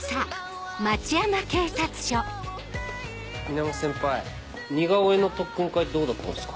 ・源先輩似顔絵の特訓会どうだったんすか？